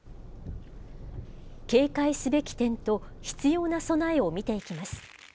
警戒すべき点と、必要な備えを見ていきます。